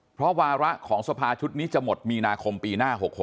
เพราะวาระของสภาชุดนี้จะหมดมีนาคมปีหน้า๖๖